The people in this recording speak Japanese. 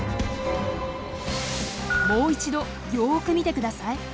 もう一度よく見て下さい。